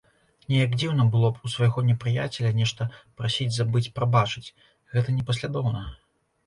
Неяк дзіўна было б у свайго непрыяцеля нешта прасіць забыць-прабачыць, гэта непаслядоўна!